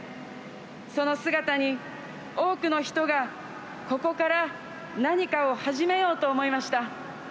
その姿に、多くの人がここから何かを始めようと思いました。